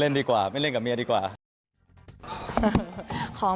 เรามาจุบนาง